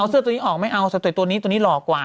เสื้อตัวนี้ออกไม่เอาสเต็ดตัวนี้ตัวนี้หล่อกว่า